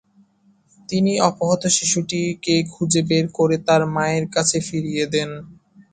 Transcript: তিনি অপহৃত শিশুটিকে খুঁজে বের করে তার মায়ের কাছে ফিরিয়ে দেন।